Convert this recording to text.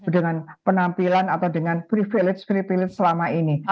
dengan penampilan atau dengan privilege privilege selama ini